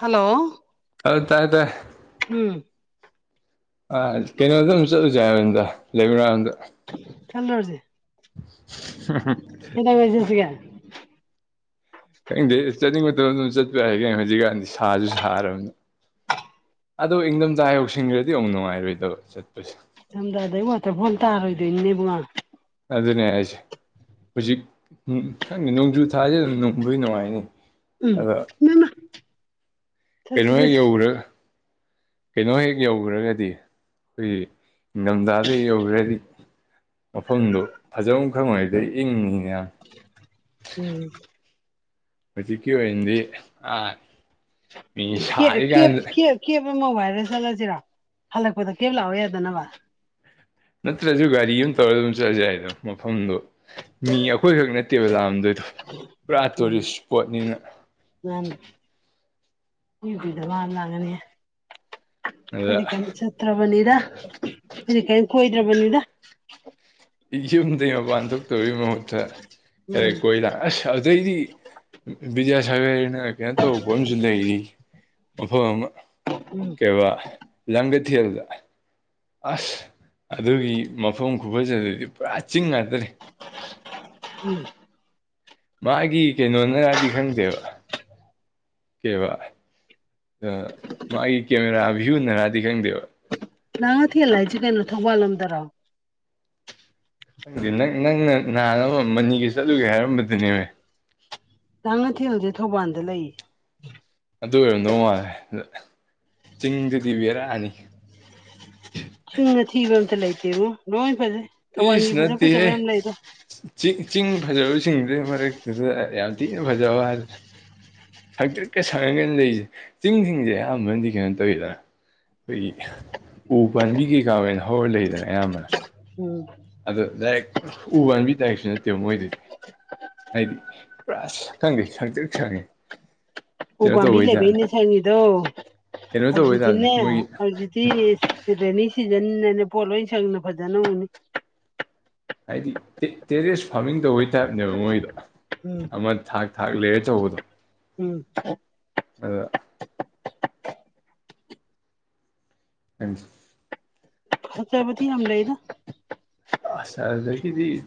hello ꯑꯗꯨ ꯇꯥꯏ ꯇꯥꯏ ꯎꯝ ꯑ ꯀꯩꯅꯣꯗ ꯑꯗꯨꯝ ꯆꯠꯂꯨꯁꯦꯕꯟꯗ ꯂꯩꯕ꯭ꯔꯗ ꯆꯜꯔꯁꯤ [unintelligible] ꯆꯠꯁꯤꯒꯦ ꯈꯪꯗꯦ ꯆꯠꯅꯤꯡꯕ ꯃꯇꯝꯗ ꯑꯗꯨꯝ ꯆꯠꯄ ꯌꯥ ꯍꯥꯏꯒ ꯍꯧꯖꯤꯛꯀꯥꯟꯗꯤ ꯁꯥꯁꯨ ꯁꯥꯔꯕꯅ ꯑꯗꯨꯗꯣ ꯏꯪꯊꯝꯊꯥ ꯌꯧꯁꯤꯈ꯭ꯔꯗꯤ ꯑꯃꯨꯛ ꯅꯨꯡꯉꯥꯏꯔꯣꯏꯗꯕ ꯆꯠꯄꯁꯦ ꯁꯝꯗꯗꯩ ꯋꯥꯇꯔꯐꯣꯜ ꯇꯥꯔꯣꯏꯗꯣꯏꯅꯤꯅꯦꯕꯉꯥ ꯑꯗꯨꯅꯦ ꯍꯥꯏꯁꯦ ꯍꯧꯖꯤꯛ ꯎꯝ ꯈꯪꯉ ꯅꯣꯡꯖꯨ ꯏꯁꯥꯁꯦ ꯑꯗꯨꯝ ꯅꯨꯡꯗꯏ ꯅꯨꯡꯉꯥꯏꯅꯤ ꯎꯝ ꯑꯗꯣ ꯏꯃꯥꯏꯃꯥ ꯆꯠꯁꯤ ꯀꯩꯅꯣ ꯍꯦꯛ ꯆꯠꯁꯤ ꯌꯧ꯭ꯔ ꯀꯩꯅꯣ ꯍꯦꯛ ꯌꯧꯈ꯭ꯔꯒꯗꯤ ꯑꯩꯈꯣꯏꯒꯤ ꯅꯤꯡꯊꯝꯊꯥꯗ ꯌꯧꯈ꯭ꯔꯗꯤ ꯃꯐꯝꯗꯨꯣ ꯐꯖꯐꯝ ꯈꯪꯉꯩꯗꯩ ꯏꯪ ꯎꯝ ꯍꯧꯖꯤꯀꯤ ꯑꯣꯏꯣꯏꯗꯤ ꯑ ꯀ ꯃꯣꯕꯥꯏꯜ ꯐꯦ ꯆꯠꯂꯁꯤꯔ ꯍꯜꯂꯛꯄꯗ ꯀꯦꯞ ꯂꯥꯛꯑꯣ ꯌꯥꯗꯅꯕ ꯅꯠꯇ꯭ꯔꯁꯨ ꯒꯥꯔꯤ ꯑꯃ ꯇꯧꯔꯒ ꯑꯗꯨꯝ ꯆꯠꯖꯩꯗꯣ ꯃꯐꯝꯗꯣ ꯃꯤ ꯑꯩꯈꯣꯏꯈꯛ ꯅꯠꯇꯦꯕ ꯂꯥꯑꯝꯗ ꯑꯗꯨ ꯄꯨꯔꯥ ꯎꯝ ꯇꯨꯔꯤꯁ ꯏꯁꯄꯣꯠꯅꯤꯅ ꯌꯨꯕꯤꯗꯕ ꯂꯥꯡꯉꯅꯤ ꯑꯗ ꯑꯩꯈꯣꯏꯗꯤ ꯀꯩꯝ ꯆꯠꯇ꯭ꯔꯕꯅꯤꯗ ꯁꯤ ꯀꯔꯤ ꯀꯣꯏꯗ꯭ꯔꯕꯅꯤꯗ ꯌ ꯌꯨꯝꯗꯒꯤꯩ ꯃꯄꯥꯟ ꯊꯣꯛꯇꯕꯒꯤ ꯃꯍꯨꯠꯇ ꯈꯔ ꯎꯝ ꯀꯣꯏ ꯂ ꯑꯁ ꯑꯗꯨꯗꯩꯗꯤ ꯕꯤꯗ꯭ꯌꯥꯁꯒꯔꯅ ꯀꯩꯅꯣ ꯇꯧꯕ ꯈꯣꯠ ꯑꯃꯁꯨ ꯂꯩꯔꯤ ꯃꯐꯝ ꯑꯃ ꯎꯝ ꯀ ꯋꯥ ꯂꯪꯒ ꯊꯜꯖ ꯑꯁ ꯑꯗꯨꯒꯤ ꯃꯐꯝ ꯈꯨꯕꯁ ꯑꯗꯨꯗꯤ ꯄꯨꯔꯥ ꯆꯤꯡ ꯉꯗꯔꯦ ꯎꯝ ꯃꯥꯒꯤ ꯀꯩꯅꯣꯅ ꯉꯗꯤ ꯈꯪꯗꯦꯕ ꯀꯩꯕ ꯑ ꯃꯥꯒꯤ ꯀꯦꯃꯦꯔꯥ ꯚ꯭ꯌꯨꯅꯔꯗꯤ ꯈꯪꯗꯦꯕ ꯂ ꯊ ꯑꯂꯖ ꯀꯩꯅꯩꯅꯣ ꯊꯧꯧꯕꯜꯣꯗꯔꯥꯎ [unintelligible] ꯅꯪꯅ ꯅꯍꯥꯟ ꯑꯃ ꯃꯅꯤꯒꯤ ꯆꯠꯂꯨꯒꯦ ꯍꯥꯏꯔꯝꯕꯗꯨꯅꯦꯕ ꯂꯥꯡꯉꯊꯦꯜꯁꯦ ꯊꯧꯕꯥꯜꯗ ꯂꯩ ꯑꯗꯨ ꯑꯣꯏꯔꯝꯗꯧ ꯃꯥꯜꯂꯦ ꯆꯤꯡꯗꯨꯗꯤ ꯕꯔꯛꯑꯅꯤ ꯆꯨꯝꯅ ꯊꯤꯕ ꯑꯝꯇ ꯂꯩꯇꯦꯕꯣ ꯂꯣꯏ ꯐꯖꯦ ꯏꯁ ꯅꯠꯇꯦꯍꯦ ꯆꯤꯡ ꯆꯤꯡ ꯐꯖꯕ ꯏꯁꯤꯡꯗꯨꯩ ꯃꯔꯛꯇꯨꯗ ꯌꯥꯝ ꯊꯤꯅ ꯐꯖꯕ ꯋꯥꯔ ꯁꯥꯛꯛꯇꯤꯠꯀ ꯁꯪꯉꯒꯅ ꯂꯩꯔꯤꯁꯦ ꯆꯤꯡꯁꯤꯡꯁꯦ ꯑꯌꯥꯝꯕꯅꯗꯤ ꯀꯩꯅꯣ ꯇꯧꯋꯤꯗꯅ ꯑꯩꯈꯣꯏꯒꯤ ꯎ ꯄꯥꯕꯤ ꯀꯩꯀꯥ ꯑꯣꯏꯅ ꯍꯧꯔ ꯂꯩꯗꯅ ꯑꯌꯥꯝꯕꯅ ꯎꯝ ꯑꯗ ꯗꯥꯏꯔꯦꯛ ꯎꯕꯟꯕꯤ ꯇꯥꯏꯔꯤꯛꯁꯨ ꯅꯠꯇꯦꯕ ꯃꯣꯏꯗꯨꯗꯤ ꯍꯥꯏꯗꯤ ꯄꯨꯔꯥ ꯁ ꯈꯪꯗꯦ ꯁꯛꯆ ꯁꯪꯉꯦ ꯎ ꯀꯩꯅꯣ ꯄꯥꯝꯕꯤ ꯇꯧꯕꯩ ꯂꯩꯕ ꯇꯥꯏꯞꯅꯤ ꯏꯅꯦ ꯁꯪꯉꯤꯗꯣ ꯀꯩꯅꯣ ꯇꯧꯕꯩ ꯇꯥꯏꯞꯅꯤ ꯍꯧꯖꯤꯇꯅꯦ ꯃꯣꯏꯒꯤ ꯍꯧꯖꯤꯇꯤ ꯔꯦꯅꯤ ꯁꯤꯖꯤꯟꯅꯅ ꯄꯣꯠ ꯂꯣꯏ ꯁꯪꯅ ꯐꯖꯅ ꯎꯅꯤ ꯍꯥꯏꯗꯤ ꯇꯦꯔꯦꯁ ꯐꯥꯔꯃꯤꯡꯗ ꯑꯣꯏ ꯇꯥꯏꯞꯅꯦꯕ ꯃꯣꯏꯗ ꯎꯝ ꯑꯃ ꯊꯥꯛ ꯊꯥꯛ ꯂꯩꯔꯦ ꯇꯧꯕꯗꯣ ꯎꯝ ꯑꯗ ꯊ ꯐꯠꯇꯕꯗꯤꯤ ꯌꯥꯝ ꯌꯥꯝ ꯂꯩꯗ ꯑꯁꯗ ꯀꯗꯤ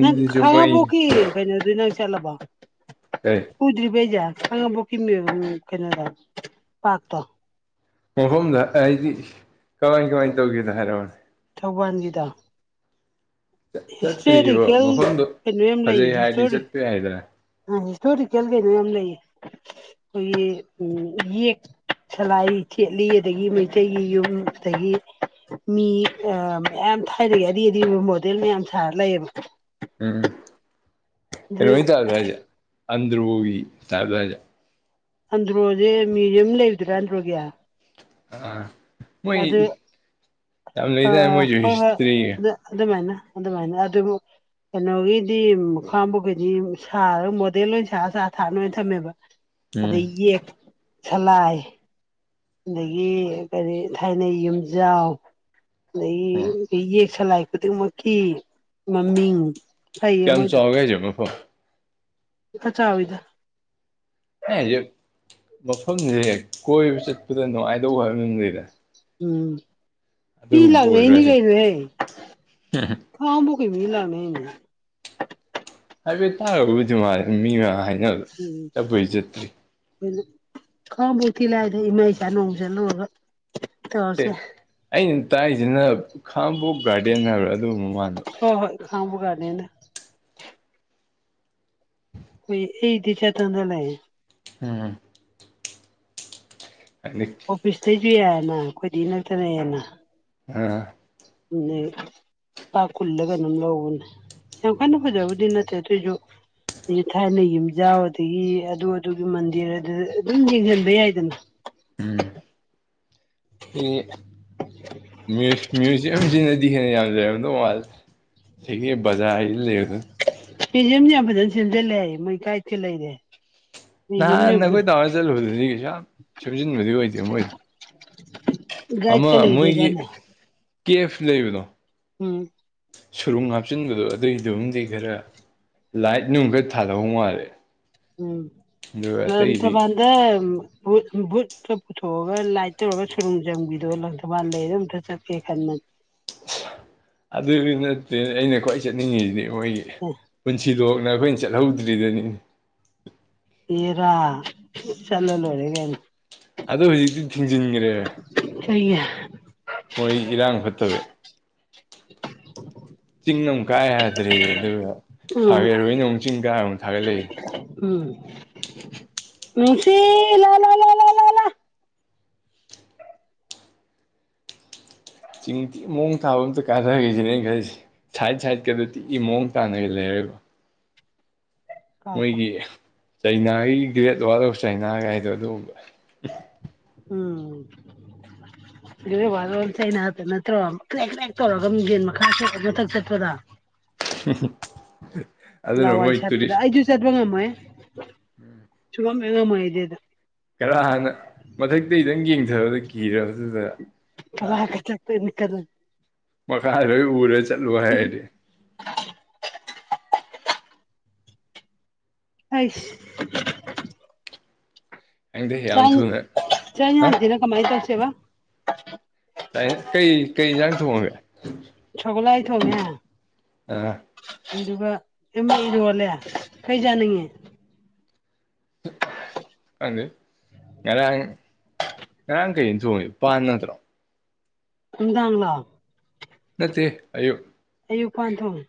ꯅꯪ ꯈꯉꯕꯣ ꯀꯦ ꯀꯩꯅꯣꯗꯤ ꯅꯪ ꯆꯠꯂꯕ ꯀꯩ ꯀꯗ꯭ꯔꯤꯕꯩꯖ ꯑꯉ ꯄ ꯀꯩꯅꯗ ꯄꯥꯇꯣ ꯃꯐꯝꯗ ꯑꯩꯗꯤ ꯀꯃꯥꯏ ꯀꯃꯥꯏ ꯇꯧꯒꯦꯗ ꯍꯥꯏꯔꯛꯔꯕꯅꯦ ꯁꯧꯕꯥꯟꯖꯤꯗ ꯆꯠꯇ꯭ꯔꯤꯕ ꯍꯤꯁꯇꯣꯔꯤꯀꯦꯜ ꯃꯐꯝꯗꯣ ꯀꯩꯅꯣ ꯌꯥꯝ ꯂꯩ ꯐꯖꯩ ꯍꯥꯏꯔꯗꯤ ꯍꯇꯔꯤ ꯆꯠꯄ ꯌꯥꯏꯗꯅ ꯍꯤꯁꯇꯣꯔꯤꯀꯦꯜ ꯀꯩꯅꯣ ꯌꯥꯝ ꯂꯩ ꯑꯩꯈꯣꯏꯒꯤ ꯎ ꯌꯦ ꯁꯂꯥꯏ ꯊꯦꯠꯂꯤ ꯑꯗꯒꯤ ꯃꯩꯇꯩꯒꯤ ꯌꯨꯝ ꯑꯗꯒꯤ ꯃꯤ ꯃꯌꯥꯝ ꯊꯥꯏꯅꯗꯒꯤ ꯑꯔꯤ ꯑꯗꯤ ꯑꯣꯏꯕ ꯃꯣꯗꯦꯜ ꯃꯌꯥꯝ ꯁꯥꯔ ꯂꯩꯌꯦꯕ ꯎꯝ ꯀꯩꯅꯣ ꯑꯗꯨ ꯇꯥꯔ ꯇꯖ ꯑꯗꯔ ꯍ ꯇꯥ ꯇꯖ ꯑꯟꯗ꯭ꯔꯣꯁꯦ ꯃ꯭ꯌꯨꯗꯤꯌꯝ ꯂꯩꯕꯗꯨꯔꯥ ꯑꯟꯗ꯭ꯔꯣꯒꯤ ꯑꯥ ꯃꯣꯏ ꯑꯗꯨ ꯌꯥꯝ ꯂꯩ ꯊ ꯃꯣꯏꯁꯨ ꯍꯤꯁꯇ꯭ꯔꯤ ꯑꯗ ꯃꯥꯅ ꯑꯗꯨ ꯀꯩꯅꯣꯒꯤꯗꯤ ꯃꯈꯥꯕꯨꯈꯩꯗꯤ ꯁꯥꯔꯒ ꯃꯣꯗꯦꯜ ꯑꯣꯏꯅ ꯁꯥꯔꯒ ꯆꯥ ꯊꯥꯅ ꯑꯣꯏꯅ ꯊꯝꯃꯦꯕ ꯎꯝ ꯑꯗ ꯌꯦ ꯆꯂꯑ ꯑꯗꯒꯤ ꯀꯔꯤ ꯊꯥꯏꯅꯩ ꯌꯨꯝꯖꯥꯎ ꯑꯣ ꯑꯗꯒꯤ ꯁꯂꯥꯏ ꯈꯨꯗꯤꯡꯃꯛꯀꯤ ꯃꯃꯤꯡ ꯐꯩꯌꯦ ꯀꯦꯝ ꯆꯣꯒꯦꯖꯦ ꯃ ꯐ ꯈ ꯆꯥꯥꯎꯗ ꯑꯦ ꯍꯧꯖꯤꯛ ꯃꯐꯝꯁꯦ ꯀꯣꯏꯕ ꯆꯠꯄꯗ ꯅꯨꯡꯉꯥꯏꯗꯧꯕ ꯍꯥꯏꯕꯗꯨ ꯂꯩꯗꯦ ꯎꯝ ꯀ ꯂꯒꯗ ꯑꯣꯏꯕ꯭ꯔꯥ ꯏꯅꯤ ꯍꯥꯏꯁꯦ ꯀꯩꯅ ꯊꯥꯎ ꯣꯏ ꯃꯦꯂ ꯅꯅꯦ ꯍꯥꯏꯐꯦꯠ ꯇꯥꯔꯕꯨꯗꯤ ꯃꯥ ꯃꯤ ꯃ ꯍꯥꯏ ꯆꯠꯄꯩ ꯆꯠꯇ꯭ꯔꯤ ꯩꯅ ꯈꯥꯕꯣꯛ ꯊꯤ ꯂꯥꯏꯗ ꯏꯃꯥ ꯏꯆꯥ ꯅꯣꯡ ꯆꯠꯂꯨꯔꯒ ꯑꯦ ꯇꯧꯔꯁꯦ ꯑꯩꯅ ꯇꯥꯏꯁꯤꯅ ꯈꯥꯉꯕꯣꯛ ꯒꯥꯔꯗꯦꯟ ꯍꯥꯏꯕ꯭ꯔꯥ ꯑꯗꯨꯒꯨꯝꯕ ꯃꯥꯟꯕ ꯈꯥꯡꯕꯒꯥꯅꯤꯅ ꯍꯣꯏ ꯑꯩꯗꯤ ꯆ ꯊꯥꯟꯗ ꯂꯩ ꯎꯝ ꯑꯅꯤ ꯌꯥꯅ ꯑꯩꯈꯣꯏꯗꯤ ꯅꯛꯇꯅꯑꯦꯅ ꯎꯝ ꯎ ꯄ ꯀꯨꯜꯂꯒ ꯑꯗꯨꯝ ꯂꯧꯕꯅꯦ ꯌꯥꯝ ꯀꯟꯅ ꯐꯖꯕꯨꯗꯤ ꯅꯠꯇꯦ ꯑꯗꯨꯑꯣꯁꯨ ꯊꯥꯏꯅ ꯌꯨꯝꯖꯥꯎ ꯑꯗꯨꯗꯒꯤ ꯑꯗꯨ ꯑꯗꯨꯒꯤ ꯃꯟꯗꯤꯔ ꯑꯗꯨ ꯑꯗꯨꯝ ꯌꯦꯡꯁꯤꯟꯕ ꯌꯥꯏꯗꯅ ꯎꯝ ꯍ ꯃ꯭ꯌꯨꯖꯤꯌꯝꯁꯤꯅꯗꯤ ꯍꯦꯟꯅ ꯌꯥꯝ ꯂꯩꯔꯕꯗꯧ ꯃꯥꯜꯂꯦ ꯍꯒꯦ ꯖꯥ ꯏꯜꯂꯤꯦ ꯄꯦꯖꯤꯌꯝꯁꯤ ꯌꯥꯝ ꯐꯖꯅ ꯁꯦꯝꯖꯤꯜꯂꯦ ꯑꯩ ꯃꯩ ꯀꯥꯏꯇ ꯂꯩꯔꯦ ꯅꯍꯥꯟ ꯃ꯭ꯌꯨꯖꯤꯌꯝ ꯅ ꯑꯩꯈꯣꯏ ꯇꯥꯔꯒ ꯆꯠꯂꯨꯕꯗꯨꯗꯤ ꯀꯩꯁꯨ ꯌꯥꯝ ꯁꯦꯝꯖꯤꯟꯕꯗꯤ ꯑꯣꯏꯗꯦ ꯃꯣꯏꯗꯣ ꯑꯃ ꯒꯥꯏꯗꯀ ꯃꯣꯏꯒꯤ ꯂꯩꯔꯦꯗꯅ ꯀꯦꯐ ꯂꯩꯕꯅꯣ ꯎꯝ ꯁꯨꯔꯨꯡ ꯍꯥꯞꯆꯤꯟꯕꯗꯣ ꯑꯗꯨꯏꯗꯨꯕꯨꯗꯤ ꯈꯔ ꯂꯥꯏꯠ ꯅꯨꯡ ꯈꯔ ꯊꯥꯗꯍꯧ ꯃꯥꯜꯂꯦ ꯑꯗꯨꯒ ꯑꯇꯩꯗꯤ ꯎꯝꯝꯇꯕꯗ ꯠ ꯕꯨꯨꯠꯀ ꯄꯨꯊꯣꯛꯑꯒ ꯂꯥꯏꯠ ꯇꯧꯔꯒ ꯁꯨꯔꯨꯝ ꯆꯪꯕꯤꯗꯣ ꯂꯪꯊꯧꯕꯥꯜ ꯂꯩꯗꯣ ꯑꯝꯇ ꯆꯠꯀꯦ ꯈꯟꯕꯅꯤ ꯑꯗꯨ ꯅꯠꯇꯦ ꯑꯩꯅ ꯈ꯭ꯋꯥꯏ ꯆꯠꯅꯤꯡꯉꯤꯁꯤꯗꯤ ꯃꯣꯏꯒꯤ ꯄꯨꯟꯁꯤꯗꯣ ꯑꯩꯈꯣꯏꯅ ꯆꯠꯍꯧꯗ꯭ꯔꯤꯗꯅꯤ ꯌꯦꯔ ꯆꯂꯣ ꯂꯣꯦꯒꯅꯤ ꯑꯗ ꯍꯧꯖꯤꯛꯇꯤ ꯊꯤꯡꯖꯤꯟꯈ꯭ꯔꯦꯕ ꯁ ꯃꯣꯏ ꯏꯔꯥꯡ ꯐꯠꯇꯕꯦ ꯆꯤꯡ ꯑꯃꯨꯛ ꯀꯥ ꯌꯥꯗ꯭ꯔꯦ ꯑꯗꯨꯒ ꯎꯝ ꯊꯒꯠꯔꯣꯏꯅ ꯑꯃꯨꯛ ꯆꯤꯡ ꯀꯥꯔ ꯑꯃꯨꯛ ꯊꯥꯒꯠꯂꯛꯏꯦ ꯎꯝ ꯅꯨꯡꯁꯤ ꯂ ꯂꯥ ꯂꯥ ꯂꯥ ꯂꯥꯥ ꯆꯤꯡꯊ ꯃꯑꯣꯣꯡ ꯊꯥꯕ ꯑꯃꯇ ꯀꯥꯗꯒꯁꯤꯅꯦ ꯈꯁꯤꯦ ꯁꯥꯏꯠ ꯁꯥꯏꯠꯀꯗꯨꯗꯤ ꯏ ꯃꯑꯣꯡ ꯇꯥꯅꯒ ꯂꯩꯔꯣꯏꯕ ꯀꯥꯎꯀꯣ ꯃꯣꯏꯒꯤ ꯆꯩꯅꯥꯒꯤ ꯒ꯭ꯔꯦꯠ ꯋꯥꯔ ꯑꯣꯐ ꯆꯅꯥꯒ ꯍꯥꯏꯗꯣ ꯑꯗꯨꯒꯨꯝꯕ ꯎꯝ [unintelligible] ꯩꯅꯇ ꯅꯠꯇ꯭ꯔꯣ ꯀꯦꯛ ꯀꯦꯛ ꯇꯧꯔꯒ ꯃ ꯌꯦꯟ ꯃꯈꯥ ꯃꯊꯛ ꯆꯠꯄꯗ [unintelligible] ꯂꯋꯥꯏ ꯃꯣꯏ ꯆꯠꯄꯗ ꯇꯨꯔꯤꯁ ꯑꯩꯁꯨ ꯆꯠꯄ ꯉꯝꯃꯣꯏ ꯁꯨꯒꯝꯃꯦ ꯉꯝꯃꯣꯏꯗꯤ ꯑꯗ ꯈꯔ ꯍꯥꯟꯅ ꯃꯊꯛꯇ ꯏꯗꯪ ꯌꯦꯡꯊꯕꯗ ꯀꯤꯔꯕꯗꯨꯗ ꯀꯂ ꯀ ꯆꯠꯄꯅꯤ ꯀ ꯑꯗꯨ ꯃꯈꯀꯥꯔꯣꯏ ꯎꯔꯦ ꯆꯠꯂꯨ ꯍꯥꯏꯔꯦ ꯍꯁ ꯈꯪꯗꯦ ꯌꯥꯝ ꯆ ꯊꯨꯅ ꯆꯥ ꯍꯥ ꯍꯥꯖꯤꯅ ꯀꯃꯥꯏ ꯆꯁꯦꯕ ꯀꯩ ꯀꯩ ꯏꯟꯖꯥꯡ ꯊꯣꯡꯉꯒꯦ ꯁꯒꯂ ꯑ ꯊ ꯑꯥ ꯑꯃ ꯏꯔꯣꯜꯂꯦ ꯀꯩ ꯌꯥꯅꯤꯡꯉꯤ ꯑꯗꯨ ꯑꯗꯨ ꯌꯦꯔ ꯅ ꯀꯩ ꯇꯣꯡꯉꯤ ꯏ ꯄꯅꯠꯇ꯭ꯔꯣ ꯏꯗꯥꯥ ꯅꯠꯇ ꯑꯌꯌꯣ ꯑꯌꯨꯛ ꯄꯥꯟꯊꯣꯡ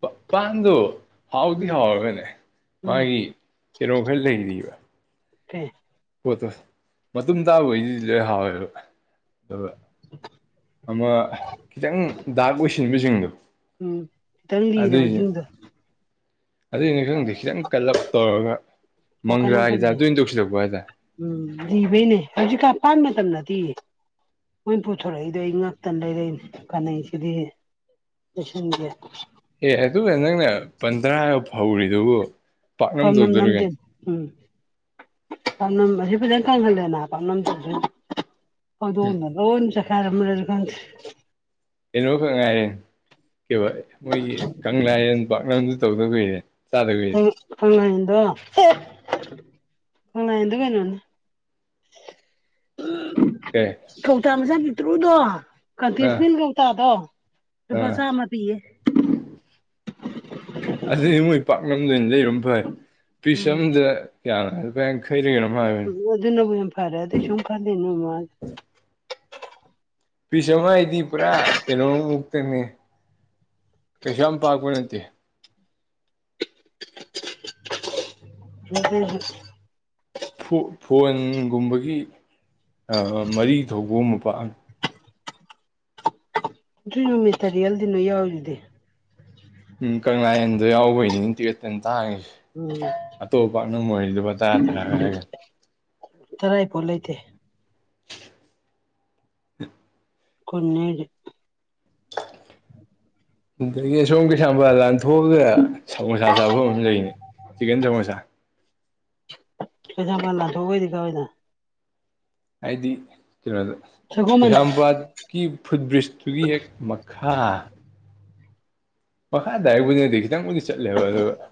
ꯄꯄꯥꯗꯣ ꯍꯥꯎꯗꯤ ꯎꯝ ꯍꯥꯎꯒꯅꯦ ꯎꯝ ꯃꯥꯒꯤ ꯀꯩꯅꯣ ꯈꯔ ꯂꯩꯔꯤꯕ ꯊ ꯄꯣꯠꯇꯣ ꯃꯇꯨꯡ ꯇꯥꯕꯩꯗꯤꯗꯤ ꯂꯣꯏ ꯍꯥꯎꯋꯦꯕ ꯑꯗꯨꯒ ꯎ ꯑꯃ ꯈꯤꯇꯪ ꯗꯥꯛ ꯑꯣꯏꯁꯤꯟꯕꯁꯤꯡꯗꯣ ꯎꯝ ꯈꯤꯇꯪ ꯂꯤꯔꯕꯔꯕ ꯨꯝꯗ ꯑꯗꯨꯏꯅꯤꯁꯪꯗꯦ ꯈꯤꯇꯪ ꯀꯜꯂꯞ ꯇꯧꯔꯒ ꯑꯣꯈꯥꯏꯅꯈ ꯃꯪꯒ꯭ꯔꯥꯒꯤ ꯇꯥꯏꯞꯇ ꯇꯧꯁꯤꯜꯂꯛꯄ ꯍꯥꯏꯇꯥꯔꯦ ꯎꯝ ꯗꯕꯅꯦ ꯍꯧꯖꯤꯛ ꯀꯥꯞ ꯄꯥꯝꯃꯦ ꯃꯇꯝꯅ ꯃꯣꯏ ꯄꯨꯊꯣꯔꯛꯏꯗꯣ ꯑꯩ ꯉꯇꯅ ꯂꯩꯔꯛꯏ ꯀꯥꯟꯅꯩꯁꯤꯗꯤ ꯁꯦꯡ ꯑꯦ ꯑꯗꯨꯒ ꯅꯪꯅ ꯄꯟ ꯇꯔꯥꯒ ꯐꯧꯔꯤꯗꯨꯕꯨ ꯐ ꯄꯥꯛꯅꯝ ꯅꯝ ꯇꯧꯗꯣꯔꯤ ꯅꯝꯗꯦ ꯀꯩꯅꯣ ꯎꯝ ꯄꯥꯛꯅꯝ ꯑꯁꯤ ꯐꯖꯅ ꯀꯪꯍꯜꯂꯦꯅ ꯄꯥꯛꯅꯝꯁꯤꯁꯨ ꯍꯗ ꯑꯣꯅꯗ ꯑꯣꯟ ꯆꯈꯥꯔ ꯃ ꯀ ꯀꯩꯅꯣꯈꯛ ꯉꯥꯏꯔꯦ ꯀ ꯃꯣꯏꯒꯤ ꯀꯪꯂꯥꯌꯦꯟ ꯄꯥꯛꯅꯁꯨ ꯇꯧꯗꯕꯏꯅꯦ ꯊ ꯊꯪꯉ ꯣ ꯐꯉ ꯑꯗꯨ ꯀꯩꯅꯣꯅꯦ ꯎ ꯀꯩ ꯊꯧꯇ ꯃꯆꯥ ꯄꯤꯛꯇ꯭ꯔꯨꯗꯣ ꯑꯥ ꯀꯇꯦꯁꯃꯤꯟ ꯀꯧꯇꯥꯗꯣ ꯂꯨꯄꯥ ꯑꯥ ꯆꯥꯝꯃ ꯄꯤꯌꯦ ꯑꯗꯨꯗꯤ ꯃꯣꯏ ꯄꯥꯛꯂꯝꯗꯣꯏꯅꯤ ꯂꯩꯔ ꯐꯩ ꯄꯤꯁ ꯑ ꯎꯝ ꯑꯃꯗ ꯀꯔꯤ ꯎꯝ ꯑꯗꯨꯅꯕꯨ ꯌꯥꯝ ꯐꯔꯦ ꯑꯗꯨꯁꯨꯨꯝ ꯈꯜꯂꯤ ꯅꯃ ꯐꯤꯁꯃ ꯍꯥꯏꯗꯤ ꯄꯨꯔꯥ ꯀꯩꯅꯣ ꯇꯅꯤ ꯀꯩꯁꯥ ꯌꯥꯝ ꯄꯥꯛꯄ ꯅꯠꯇꯦ ꯎꯝ ꯐꯣꯟꯒꯨꯝꯕꯒꯤ ꯃꯔꯤ ꯊꯧꯕ ꯑꯃ ꯄꯥꯛꯑꯅꯤ ꯆꯏ ꯅꯨꯃꯤꯁꯇꯔꯤꯜꯗꯤ ꯅꯣ ꯌꯥꯎꯔꯤꯗꯤ ꯎꯝ ꯀꯪꯂꯥꯟꯗꯣ ꯌꯥꯎꯕꯩꯅꯤ ꯇꯤꯀꯦꯠꯇ ꯇꯥꯡꯉꯁꯦ ꯑꯇꯣꯞꯄꯥꯛꯅꯝ ꯑꯣꯏꯔꯤꯗꯨ ꯇꯔꯥꯥꯏ ꯐꯣꯠ ꯂꯩꯇꯦ [inaudible] ꯀꯟꯅꯔ ꯁꯝꯒꯤ ꯁꯝꯕꯂ ꯊꯣꯛꯑꯒ ꯁꯃꯣꯁꯥ ꯆꯥꯐꯝ ꯑꯃ ꯂꯩꯅꯤ ꯆꯤꯛꯀꯟ ꯁꯃꯣꯁꯥ ꯄꯩꯁꯥꯄ ꯂ ꯊ ꯑꯣꯏꯣꯏꯗꯤ ꯀꯣꯏꯅ ꯍꯥꯏꯗꯤ ꯀꯩꯅꯣꯗ ꯁꯒꯣꯜꯕꯟꯗ ꯂꯩꯩꯁꯥꯝꯄꯥꯠꯀꯤ ꯐꯨꯠ ꯕ꯭ꯔꯤꯖꯇꯨꯒꯤ ꯍꯦꯛ ꯃꯈꯥ ꯃꯈꯥ ꯇ ꯍꯥꯏꯕꯨꯗꯤꯗꯤ ꯈꯤꯇꯪꯕꯨꯗꯤ ꯆꯠꯂꯦꯕ ꯑꯗꯨꯒ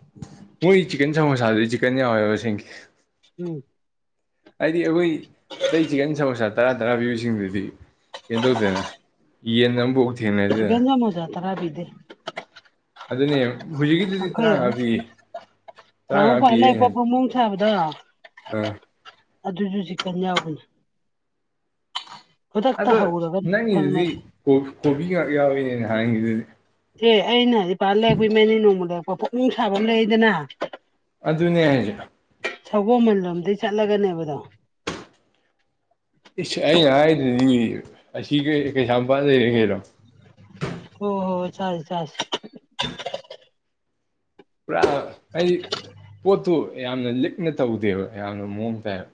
ꯃꯣꯏ ꯆꯤꯛꯀꯟ ꯁꯃꯣꯁꯥꯗꯨ ꯆꯤꯛꯀꯟ ꯋꯕꯁꯤꯡ ꯎꯝ ꯍꯥꯏꯗꯤ ꯑꯩꯈꯣꯏ ꯑꯇꯩ ꯆꯤꯛꯀꯟ ꯁꯃꯣꯁꯥ ꯇꯔꯥ ꯊꯔꯥ ꯄꯤꯕꯁꯤꯡꯗꯨꯗꯤ ꯀꯩꯅꯣ ꯇꯧꯗꯦꯅ ꯌꯦꯟ ꯑꯃꯐꯥꯎ ꯊꯦꯡꯅꯗꯗꯅ ꯗꯤ ꯑꯗꯨꯅꯦ ꯍꯧꯖꯤꯛꯀꯤꯗꯨꯗꯤ ꯃꯈꯈꯩ ꯇꯔꯥꯃꯉꯥ ꯄꯤꯌꯦ ꯅꯍꯥꯟꯨ ꯇꯔꯥꯃꯉꯥ ꯐ ꯂꯛ ꯄ ꯐꯃꯣꯡ ꯊꯥꯕꯗꯣ ꯑ ꯑꯗꯨꯁꯨ ꯆ ꯀꯟ ꯌꯥꯎꯕꯅꯤ ꯈꯨꯗꯛꯇ ꯑꯗꯣ ꯍꯧꯔꯒꯅꯤ ꯅꯪꯒꯤꯗꯨꯗꯤ ꯐꯪꯅꯗꯦ ꯀꯣꯕꯤ ꯉꯥꯛ ꯌꯥꯎꯋꯅꯦꯅ ꯍꯥꯡꯉꯤꯗꯨꯗꯤ ꯑꯦ ꯑꯩꯅ ꯏꯄꯥꯥꯟ ꯂꯩꯔꯛꯄ ꯏ ꯃꯅꯦ ꯅꯣꯡꯃ ꯂꯩꯔꯛꯄ ꯄꯨꯛꯅꯤꯡꯅꯨꯡ ꯁꯥꯕ ꯂꯩꯗꯅ ꯑꯗꯨꯅꯦ ꯍꯥꯏꯁꯦ ꯁꯒꯣꯜꯃꯟ ꯂꯣꯝꯗꯒꯤꯩ ꯆꯠꯂꯒꯅꯦꯕꯗꯣ ꯏꯁꯁ ꯑꯩꯅ ꯍꯥꯏꯗꯗꯤ ꯑꯁꯤ ꯀꯩꯁꯥꯝꯄꯥ ꯂꯩꯔꯤꯉꯩꯔꯣ ꯑꯣ ꯍꯣ ꯆꯂ ꯆꯥꯁ ꯄꯨꯔꯥ ꯑꯩ ꯄꯣꯠꯇꯨ ꯌꯥꯝꯅ ꯂꯤꯛꯅ ꯇꯧꯗꯦꯕ ꯌꯥꯝꯅ ꯃꯑꯣꯡ ꯇꯥꯏꯕ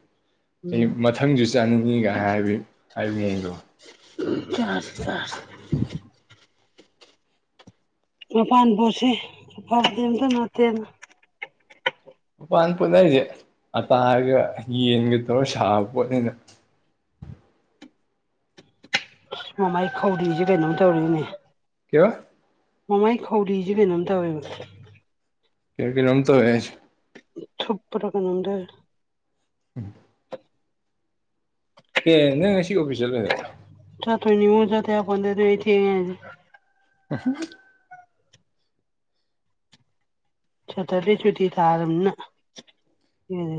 ꯑꯩ ꯎꯝ ꯃꯊꯪꯁꯨ ꯆꯥꯅꯤꯡꯉꯤꯒꯥꯏ ꯍꯥꯏꯕ ꯍꯥꯏꯕ ꯃꯑꯣꯡꯗꯣ ꯎ ꯆꯔ ꯆꯔ ꯃꯄꯥꯟꯅ ꯄꯣꯁꯦꯄꯥꯇ ꯅꯅꯥꯇꯅ ꯄꯥꯟ ꯄꯨꯅ ꯍꯥꯏꯖꯦ ꯑ ꯍꯥꯏꯒ ꯌꯦꯟꯒ ꯇꯧꯔ ꯁꯥꯕ ꯄꯣꯠꯅꯦꯅ ꯃꯃꯥꯏ ꯈꯧꯔꯤꯏꯁꯦ ꯀꯩꯅꯣꯝ ꯇꯧꯔꯤꯅꯦ ꯀ ꯃꯃꯥꯏ ꯈꯧꯔꯤꯁꯦ ꯀꯩꯅꯣꯝ ꯇꯧꯋꯦꯕ ꯀꯦ ꯀ ꯔꯝꯇ ꯍꯌꯦ ꯊꯨꯞꯄꯔꯀꯅꯗ ꯎꯝ ꯀ ꯅ ꯉ ꯁꯤ ꯑꯣꯐꯤꯁ ꯂꯩꯔ ꯅꯤꯉꯖ ꯊꯦꯗ ꯊ [inaudible] ꯆꯠꯇꯄꯤꯁꯨꯗꯤ ꯊꯔꯝꯅ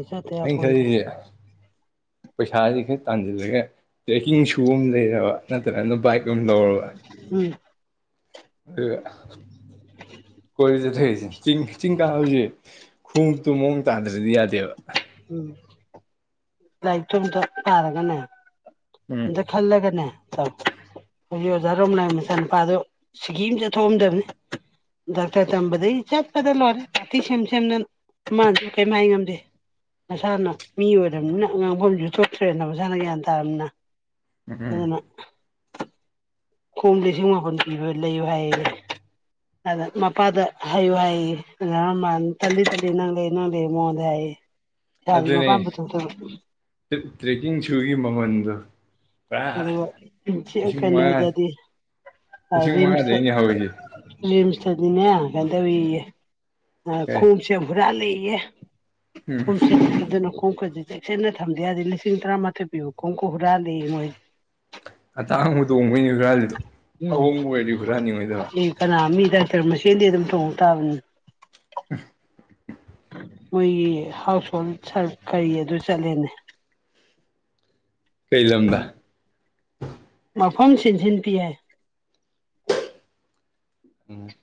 ꯆ ꯇꯄꯣꯟꯗ ꯄꯩꯁꯥꯥꯁ ꯈꯔ ꯇꯥꯟꯁꯤꯜꯂꯒ ꯇ꯭ꯔꯦꯛꯀꯤꯡ ꯁꯨꯒꯗ ꯋꯥ ꯅꯠꯇ꯭ꯔ ꯕꯤꯏꯛꯇꯣ ꯑꯃ ꯂꯧꯔꯕ ꯎꯝ ꯑꯗꯨꯒ ꯀꯣꯏ ꯆꯠꯊꯁꯦꯤꯡ ꯆꯤꯡ ꯀꯥ ꯍꯧꯁꯦ ꯈꯣꯡꯎꯇꯨ ꯃꯑꯣꯡ ꯇꯥꯗ꯭ꯔꯗꯤ ꯌꯥꯗꯦꯕ ꯎꯝ ꯂꯥꯏꯔꯤꯛꯇ ꯑꯇ ꯄꯥꯔꯒꯅꯦ ꯎꯝ ꯑꯗ ꯈꯜꯂꯒꯅꯦ ꯍꯧꯖꯤꯛ ꯑꯣꯖꯥꯔꯣꯝꯅꯥꯏ ꯃꯆꯥ ꯅꯨꯨꯄꯥꯗꯨꯣ ꯁꯤꯒꯤ ꯑꯃ ꯆꯠꯊꯣꯛꯑꯝꯗꯕꯅꯤ ꯗꯇꯔ ꯇ ꯏ ꯆꯆꯥꯠ ꯀꯗ ꯂꯣꯔꯦ ꯑꯤꯁꯁ ꯅ ꯃꯥꯥꯟꯁꯨ ꯀꯩꯃ ꯍꯥꯏ ꯉꯝꯗꯦ ꯃꯁꯥꯅ ꯃꯤ ꯑꯣꯏꯝꯅꯤꯅ ꯑꯉꯥꯡꯐꯝꯁꯨ ꯊꯣꯛꯣꯛꯇ꯭ꯔꯦꯅ ꯃꯁꯥꯅ ꯒ꯭ꯌꯥꯟ ꯇꯥꯔꯕꯅꯤꯅ ꯑꯅ ꯀꯣꯝ ꯂꯤꯁꯤꯡ ꯃꯥꯄꯟ ꯄꯤꯕ ꯂꯩꯌꯨ ꯍꯥꯏꯌꯦ ꯑꯗ ꯃꯄꯥꯗ ꯍꯥꯏꯌꯨ ꯍꯥꯏꯌꯦ ꯑ ꯃꯥ ꯇꯂꯤ ꯇꯂꯤ ꯅꯪ ꯂꯩ ꯅꯪ ꯂꯩ ꯃꯉꯣꯟꯗ ꯍꯥꯏꯌꯦ ꯏꯁꯥꯁꯨ ꯑꯗꯨꯅꯦ ꯃꯄꯥꯝ ꯄꯨꯊꯣꯛꯇꯕ ꯇ꯭ꯔꯦꯛꯀꯤꯡ ꯁꯨꯒꯤ ꯃꯃꯟꯗꯣ ꯑ ꯃꯉꯥ ꯀꯩꯅꯗꯗꯤ ꯂꯤꯁꯤꯡ ꯔꯤꯝꯁ ꯃꯉꯥꯗꯩꯅꯦ ꯍꯧꯔꯤꯁꯦ ꯔꯤꯝꯁ ꯑꯗꯨꯅꯦ ꯀꯩꯅ ꯇꯧꯏ ꯀꯩ ꯈꯣꯡꯁꯦ ꯄꯨꯔꯥ ꯂꯩꯌꯦ ꯎꯝ ꯍꯁꯤꯗꯅ ꯈꯣꯡ ꯀꯖ ꯆꯦꯛꯁꯤꯟꯅ ꯊꯝꯗꯦ ꯍꯥꯏꯗꯤ ꯂꯤꯁꯤꯡ ꯇꯔꯥꯃꯥꯊꯣꯏ ꯄꯤꯌꯨ ꯀꯣꯡꯀꯨ ꯍꯨꯔꯥꯟꯗꯤ ꯃꯣꯏ ꯑꯇꯥꯡꯨ ꯇꯣꯡꯕꯩꯅꯤ ꯈꯔꯥꯜꯂꯤꯗꯣ ꯎꯝ ꯑꯦ ꯀꯅꯥ ꯃꯤ ꯇꯔ ꯃꯁꯦꯟꯗꯤ ꯑꯗꯨꯝ ꯇꯣꯡꯉ ꯇꯥꯕꯅꯤ ꯃꯣꯏꯒꯤ ꯍꯥꯎꯁ ꯍꯣꯜꯔ ꯀꯔꯤ ꯑꯗꯨ ꯆꯠꯂꯦꯅꯦ ꯀꯩ ꯂꯝꯗ ꯃꯐꯝ ꯁꯤꯟꯁꯤꯟ ꯄꯤ ꯍꯥꯏ ꯎꯝ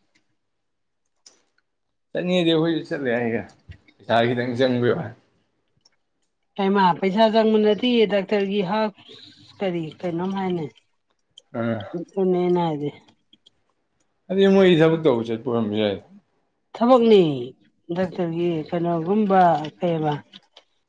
ꯆꯠꯅꯤꯡꯉꯗꯤ ꯑꯩꯈꯣꯏꯁꯨ ꯆꯠꯂꯦ ꯑꯩꯒ ꯄꯩꯁꯥ ꯈꯤꯇꯪ ꯆꯪꯕꯤꯕ ꯍꯃ ꯄꯩꯁꯥ ꯆꯪꯕ ꯅꯠꯇꯦꯌꯦ ꯗꯥꯛꯇꯔꯒꯤ ꯍꯛ ꯀꯔꯤ ꯀꯩꯅꯣꯝ ꯍꯥꯏꯅꯤ ꯑꯥ ꯏꯦꯅ ꯍꯥꯏꯗꯤ ꯑꯗꯨ ꯃꯣꯏ ꯊꯕꯛ ꯇꯧꯕ ꯆꯠꯄꯔꯝꯝꯕꯁꯨ ꯌꯥꯏ ꯊꯕꯛꯅꯤ ꯗꯥꯛꯇꯔꯒꯤ ꯀꯩꯅꯣꯒꯨꯝꯕ ꯀꯩꯕ